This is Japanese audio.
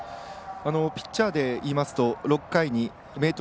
ピッチャーでいいますと６回に明徳